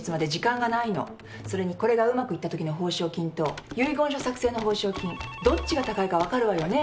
それにこれがうまくいったときの報酬金と遺言書作成の報酬金どっちが高いか分かるわよね？